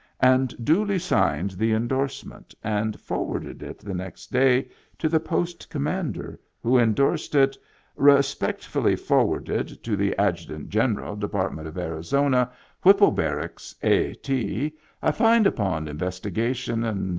and duly signed the indorsement, and forwarded it the next day to the Post Commander, who in dorsed it, " Respectfully forwarded to the Adju Digitized by Google 112 MEMBERS OF THE FAMILY tant General Department of Arizona, Whipple Barracks, A. T. I find upon investigation," etc.